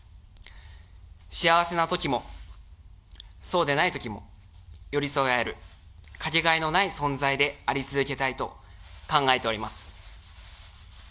幸せなときも、そうでないときも、寄り添えあえる、掛けがえのない存在であり続けたいと考えております。